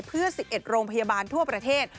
เพื่อ๑๑โรงพยาบาลทั่วประเทศ